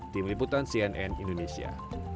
tim liputan cnn indonesia